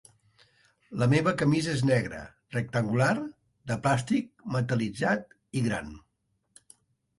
La meva camisa és negra, rectangular, de plàstic metal·litzat i gran.